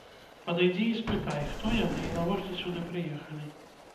Падыйдзі і спытай, хто яны і навошта сюды прыехалі.